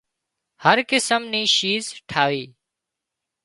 هر قسم نِي شِيز ٺاهِي